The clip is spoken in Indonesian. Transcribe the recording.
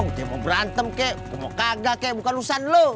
gue mau berantem kek gue mau kagak kek bukan urusan lo